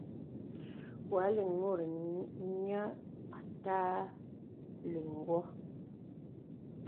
Wa lìŋ mùt nyə àtà liŋ wɨ.